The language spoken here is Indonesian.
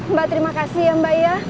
mbak terima kasih ya mbak ya